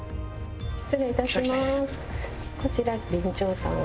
失礼いたします。